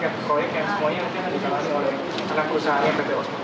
dari empat pembunuh pembunuh itu